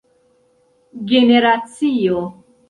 generacio